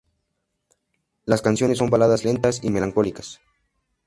Las canciones son baladas lentas y melancólicas.